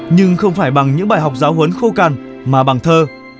nhưng không phải bằng những bài học giáo huấn khô cằn mà bằng thơ